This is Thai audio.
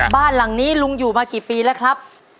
บ้านหลังนี้ลุงอยู่มากี่ปีแล้วครับ